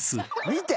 見て。